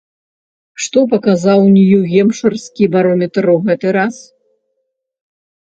Што паказаў нью-гемпшырскі барометр ў гэты раз?